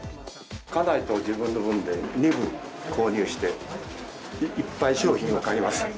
家内と自分の分で、２部、購入して、いっぱい商品を買います。